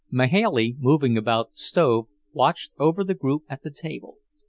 Mahailey, moving about the stove, watched over the group at the table.